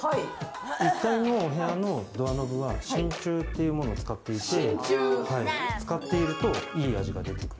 １階の部屋のドアノブは真鍮というものを使っていて、使っていると、いい味が出てくる。